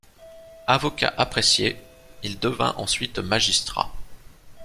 Avocat apprécié il devint ensuite magistrat.